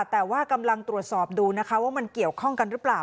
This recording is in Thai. แต่ว่ากำลังตรวจสอบดูนะคะว่ามันเกี่ยวข้องกันหรือเปล่า